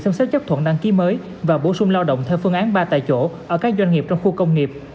xem xét chấp thuận đăng ký mới và bổ sung lao động theo phương án ba tại chỗ ở các doanh nghiệp trong khu công nghiệp